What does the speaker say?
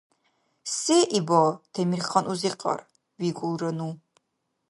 — Се иба, Темирхан-узикьар? — викӀулра ну.